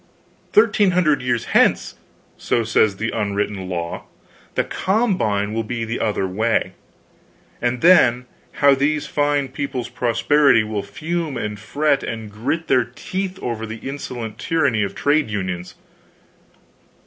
Thirteen hundred years hence so says the unwritten law the 'combine' will be the other way, and then how these fine people's posterity will fume and fret and grit their teeth over the insolent tyranny of trade unions!